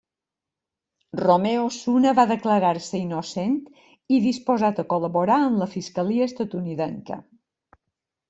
Romer Osuna va declarar-se innocent i disposat a col·laborar amb la fiscalia estatunidenca.